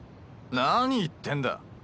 何言ってんだ？